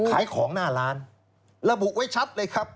ขายของหน้าร้านระบุไว้ชัดเลยครับ